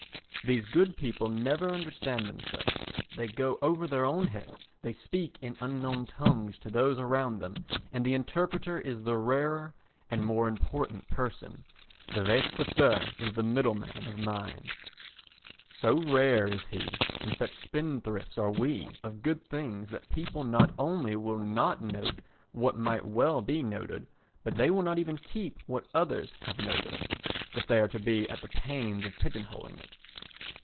These good people never understand themselves, they go over their own heads, they speak in unknown tongues to those around them and the interpreter is the rarer and more important person. The vates sacer is the middleman of mind. So rare is he and such spendthrifts are we of good things that people not only will not note what might well be noted but they will not even keep what others have noted, if they are to be at the pains of pigeon holing it.